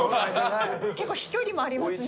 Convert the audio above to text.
結構飛距離もありますね。